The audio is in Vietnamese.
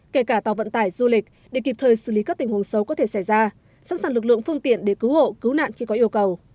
kể cả tàu vận tải du lịch để kịp thời xử lý các tình huống xấu có thể xảy ra sẵn sàng lực lượng phương tiện để cứu hộ cứu nạn khi có yêu cầu